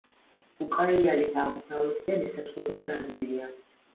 უკაიალის აღმოსავლეთიდან ესაზღვრება ბრაზილია.